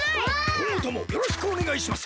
こんごともよろしくおねがいします！